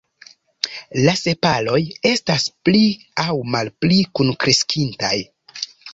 La sepaloj estas pli aŭ malpli kunkreskintaj.